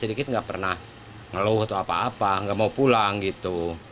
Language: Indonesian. tidak pernah ngeluh atau apa apa tidak mau pulang gitu